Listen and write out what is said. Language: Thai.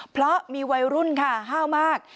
เพราะมีวัยรุ่นค่ะห้าวมาก